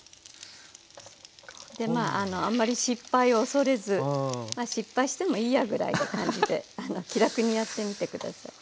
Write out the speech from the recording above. でまああんまり失敗を恐れずまあ失敗してもいいやぐらいな感じで気楽にやってみて下さい。